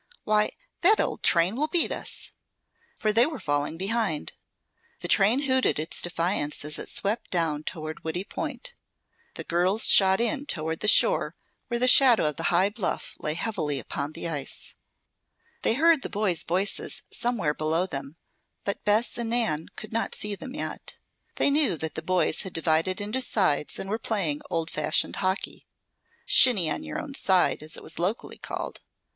Why, that old train will beat us!" For they were falling behind. The train hooted its defiance as it swept down toward Woody Point. The girls shot in toward the shore, where the shadow of the high bluff lay heavily upon the ice. They heard the boys' voices somewhere below them, but Bess and Nan could not see them yet. They knew that the boys had divided into sides and were playing old fashioned hockey, "shinny on your own side" as it was locally called.